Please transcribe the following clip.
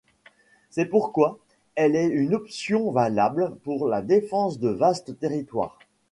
C'est pourquoi elle est une option valable pour la défense de vastes territoires.